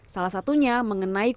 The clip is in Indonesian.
salah satunya mengenai kurikulum